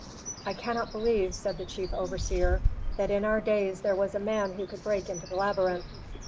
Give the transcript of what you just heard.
"I cannot believe," said the chief overseer, "that in our days there was a man who could break into the labyrinth."